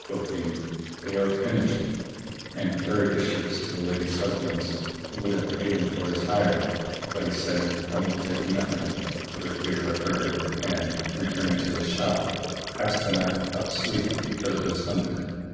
Quoth he, "They are finished," and carried the shirts to the lady's husband, who would have paid him his hire: but he said, "I will take nothing," for fear of her and, returning to his shop, passed the night without sleep because of his hunger.